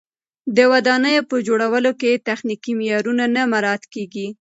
د ودانیو په جوړولو کې تخنیکي معیارونه نه مراعت کېږي.